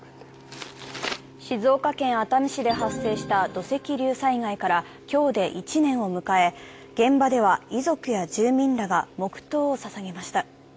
静岡県熱海市で発生した土石流災害から今日で１年を迎え現場では遺族や住民らが黙とうをささげました。